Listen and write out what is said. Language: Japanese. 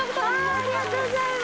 ありがとうございます！